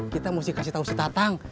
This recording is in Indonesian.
kita mesti kasih tahu setatang